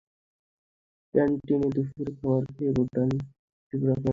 ক্যানটিনে দুপুরের খাবার খেয়ে বোটানি ডিপার্টমেন্টের লাইব্রেরিতে গিয়ে বইপত্র খুলে বসল সে।